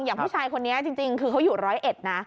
อย่างผู้ชายคนนี้จริงคือเขาอยู่ร้อยเอ็ดนะ